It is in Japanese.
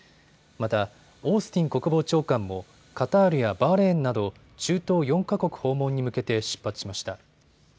またオースティン国防長官もカタールやバーレーンなど中東４か国訪問に向けて出発しました。